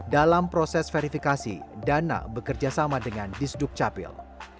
dalam proses verifikasi dana bekerjasama dengan disduk capil